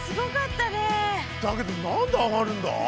だけど何であがるんだ？